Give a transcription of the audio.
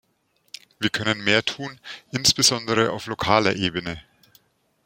Wir können mehr tun, insbesondere auf lokaler Ebene.